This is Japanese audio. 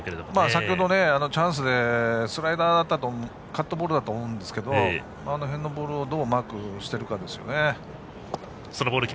先ほど、チャンスでカットボールだったと思うんですけどあの辺をボールをどうマークしているかですね。